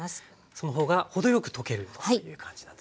その方が程よく溶けるという感じなんですね。